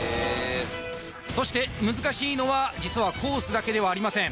そして難しいのは実はコースだけではありません